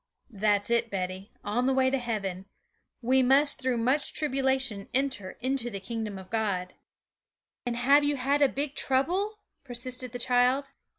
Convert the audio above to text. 'That's it, Betty, on the way to heaven. We must through much tribulation enter into the kingdom of God.' 'And have you had a big trouble?' persisted the child.